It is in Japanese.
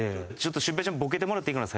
シュウペイちゃんボケてもらっていいかな？